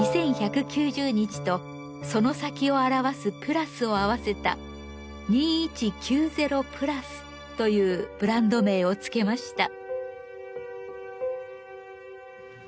２１９０日とその先を表す「＋」を合わせた「２１９０＋」というブランド名をつけました。